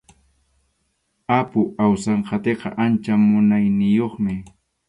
Apu Awsanqatiqa ancha munayniyuqmi.